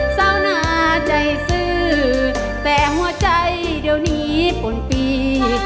สาวหนาใจซื้อแต่หัวใจเดี๋ยวนี้ป่นปี